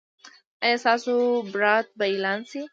ایا ستاسو برات به اعلان شي؟